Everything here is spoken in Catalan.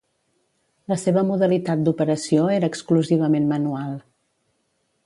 La seva modalitat d'operació era exclusivament manual.